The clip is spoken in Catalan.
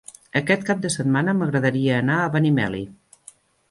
Aquest cap de setmana m'agradaria anar a Benimeli.